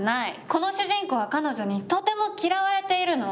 この主人公は彼女にとても嫌われているの。